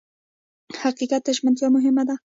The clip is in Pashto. حقیقت ته ژمنتیا مهمه وه.